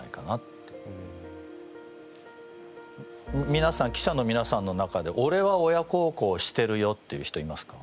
みなさん記者のみなさんの中でおれは親孝行してるよっていう人いますか？